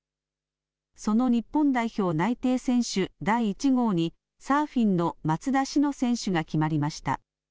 その日本代表内定選手、第１号に、サーフィンの松田詩野選手が決まりました。